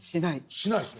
しないですね。